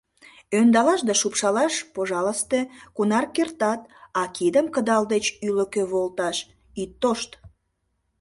Ӧндалаш да шупшалаш — пожалысте, кунар кертат, а кидым кыдал деч ӱлыкӧ волташ — ит тошт!..